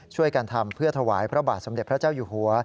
ช่วยกันทำเพื่อถวายพระบาทสมเด็จพระเจ้าอยู่หัว